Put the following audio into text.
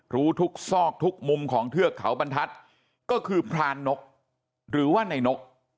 รู้ทุกซอกทุกมุมของเทือกเขาบรรทัศน์ก็คือพรานนกหรือว่าในนก